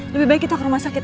lebih baik kita ke rumah sakit